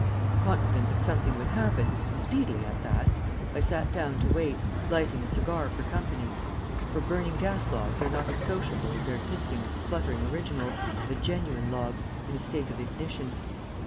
Confident that something would happen, and speedily at that, I sat down to wait, lighting a cigar for company; for burning gas logs are not as sociable as their hissing, spluttering originals, the genuine logs, in a state of ignition.